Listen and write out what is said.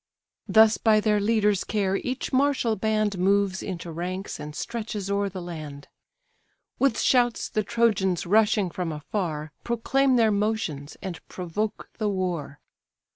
Thus by their leaders' care each martial band Moves into ranks, and stretches o'er the land. With shouts the Trojans, rushing from afar, Proclaim their motions, and provoke the war.